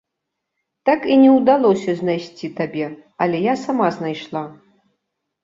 Так і не ўдалося знайсці табе, але я сама знайшла.